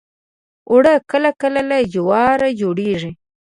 اوړه کله کله له جوارو جوړیږي